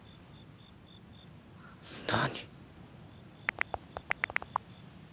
何？